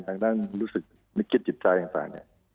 ทางด้านรู้สึกมิดคิดจิตใจต่างเนี่ย